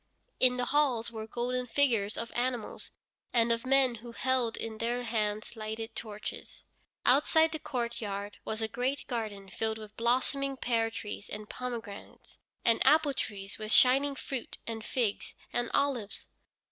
In the halls were golden figures of animals, and of men who held in their hands lighted torches. Outside the courtyard was a great garden filled with blossoming pear trees and pomegranates, and apple trees with shining fruit, and figs, and olives.